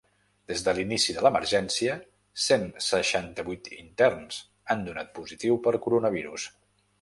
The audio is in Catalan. Des de l’inici de l’emergència, cent seixanta-vuit interns han donat positiu per coronavirus.